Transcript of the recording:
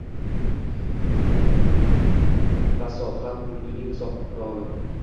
Fasohat mulkining sohibqironi